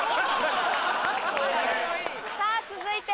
さぁ続いて。